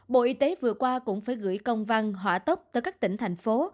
bộ y tế vừa qua cũng phải gửi công văn hỏa tốc tới các tỉnh thành phố